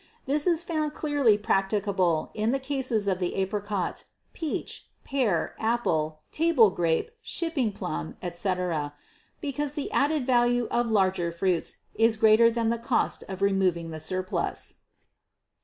This is found clearly practicable in the cases of the apricot, peach, pear, apple, table grape, shipping plum, etc., because the added value of larger fruits is greater than the cost of removing the surplus.